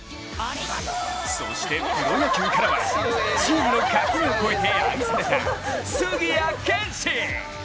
そして、プロ野球からはチームの垣根を越えて愛された杉谷拳士。